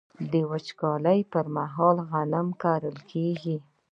د وچکالۍ پر مهال غنم ګرانیږي.